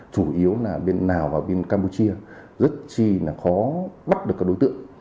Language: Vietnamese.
chủ yếu là bên lào và bên campuchia rất chi là khó bắt được các đối tượng